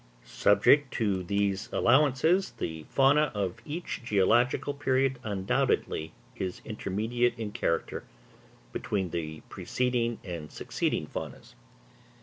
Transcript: Subject to these allowances, the fauna of each geological period undoubtedly is intermediate in character, between the preceding and succeeding faunas.